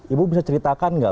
ibu bisa ceritakan gak